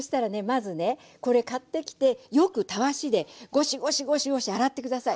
まずねこれ買ってきてよくたわしでゴシゴシゴシゴシ洗って下さい。